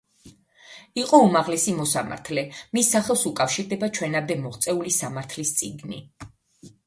იყო უმაღლესი მოსამართლე, მის სახელს უკავშირდება ჩვენამდე მოღწეული სამართლის წიგნი.